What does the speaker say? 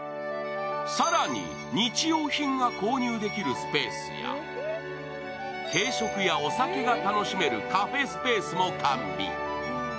更に日用品が購入できるスペースや軽食やお酒が楽しめるカフェスペースも完備。